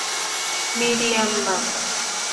Miriam, না।